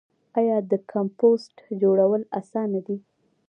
آیا د کمپوسټ جوړول اسانه دي؟